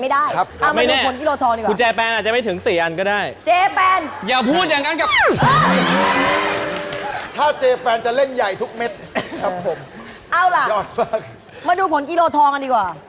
โดเตะตักขาดดูนะ